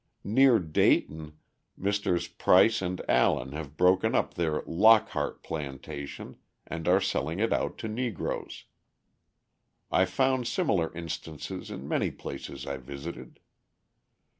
Near Dayton, Messrs. Price and Allen have broken up their "Lockhart Plantation" and are selling it out to Negroes. I found similar instances in many places I visited.